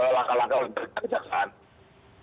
laka laka untuk kejaksaan